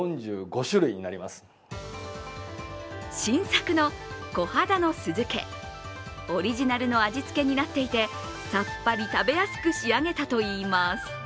新作の小肌の酢漬、オリジナルの味付けになっていて、さっぱり食べやすく仕上げたといいます。